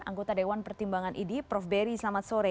anggota dewan pertimbangan idi prof beri selamat sore